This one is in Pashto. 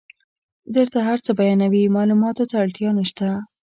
درته هر څه بیانوي معلوماتو ته اړتیا نشته.